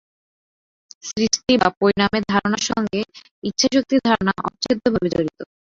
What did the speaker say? সৃষ্টি বা পরিণামের ধারণার সঙ্গে ইচ্ছাশক্তির ধারণা অচ্ছেদ্যভাবে জড়িত।